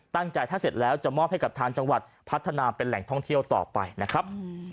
ตั้งใจถ้าเสร็จแล้วจะมอบให้กับทางจังหวัดพัฒนาเป็นแหล่งท่องเที่ยวต่อไปนะครับ